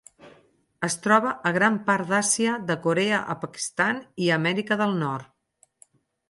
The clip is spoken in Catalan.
Es troba a gran part d'Àsia, de Corea a Pakistan i a Amèrica del Nord.